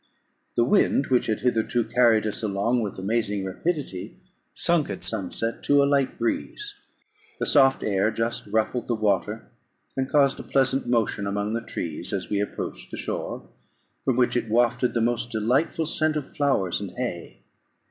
The wind, which had hitherto carried us along with amazing rapidity, sunk at sunset to a light breeze; the soft air just ruffled the water, and caused a pleasant motion among the trees as we approached the shore, from which it wafted the most delightful scent of flowers and hay.